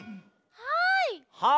はい。